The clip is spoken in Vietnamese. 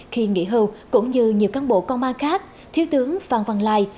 khi nghỉ hưu cũng như nhiều cán bộ công an khác thiếu tướng phan văn lai